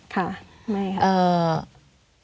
ค่ะไม่ครับ